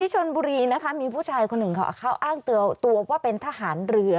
ที่ชลบุรีมีผู้ชายเขาอ้างเป็นทหารเรือ